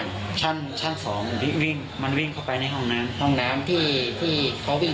มึงนี้มีไหนห้องนอนของมึงมีไหนห้องนอนของมึง